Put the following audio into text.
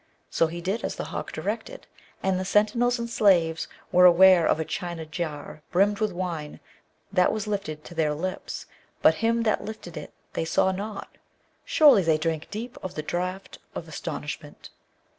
So he did as the hawk directed, and the sentinels and slaves were aware of a China jar brimmed with wine that was lifted to their lips, but him that lifted it they saw not: surely, they drank deep of the draught of astonishment.